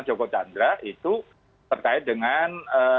joko chandra itu terkait dengan